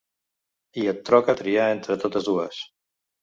I et troca triar entre totes dues.